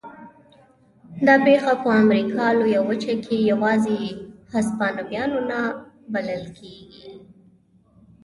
دا پېښه په امریکا لویه وچه کې یوازې هسپانویان نه بلل کېږي.